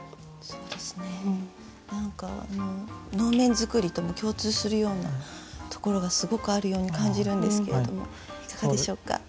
そうですね何か能面づくりとも共通するようなところがすごくあるように感じるんですけれどもいかがでしょうか。